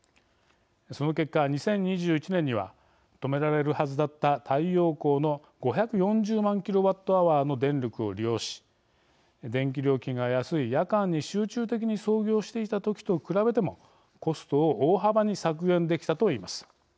その結果、２０２１年には止められるはずだった太陽光の５４０万ｋＷｈの電力を利用し電気料金が安い夜間に集中的に操業していた時と比べても、コストを大幅に削減できたと言います。